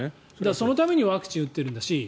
そのためにワクチンを打っているんだし。